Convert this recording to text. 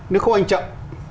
nếu không anh chậm